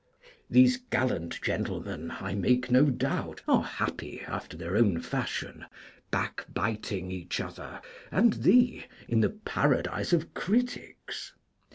_ These gallant gentlemen, I make no doubt, are happy after their own fashion, backbiting each other and thee in the Paradise of Critics.